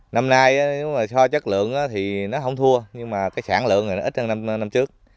năm nay nếu mà so chất lượng thì nó không thua nhưng mà cái sản lượng này nó ít hơn năm trước